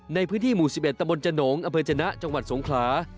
ในพื้นที่หมู่๑๑ตะบนจโหนงอำเภอจนะจังหวัดสงขลา